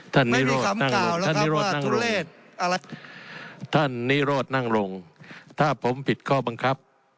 ไม่มีคำกล่าวแล้วครับว่าทุเลศท่านนิโรธนั่งลงถ้าผมผิดข้อบังคับ